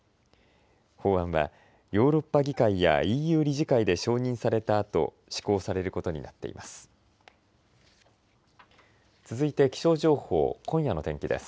法案はヨーロッパ議会やＥＵ理事会で承認されたあと施行されることになっています。